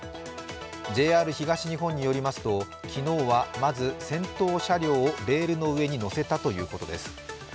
ＪＲ東日本によりますと昨日はまず、先頭車両をレールの上に載せたということです。